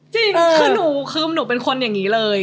จริงคือหนูเป็นคนอย่างงี้เลย